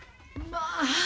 まあ。